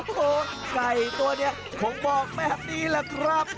โอ้โหไก่ตัวนี้คงบอกแบบนี้แหละครับ